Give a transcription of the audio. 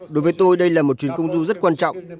đối với tôi đây là một chuyến công du rất quan trọng